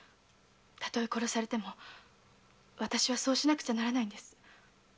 たとえ殺されても私はそうしなくてはならないのです。